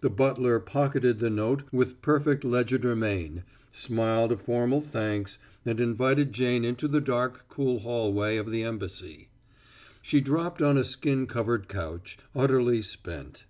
The butler pocketed the note with perfect legerdemain, smiled a formal thanks and invited Jane into the dark cool hallway of the embassy. She dropped on a skin covered couch, utterly spent.